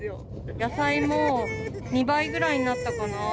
野菜も２倍ぐらいになったかな。